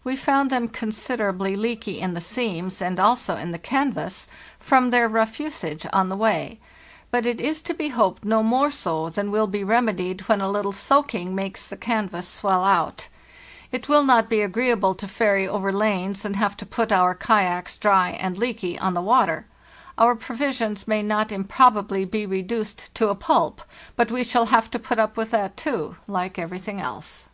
NORTLTTT we found them considerably leaky in the seams and also in the canvas, from their rough usage on the way, but it is to be hoped no more so than will be remedied when a little soaking makes the canvas swell out. It will not be agreeable to ferry over lanes and have to put our kayaks dry and leaky on the water. Our provisions may not improbably be reduced to a pulp; but we shall have to put up with that, too, like everything else.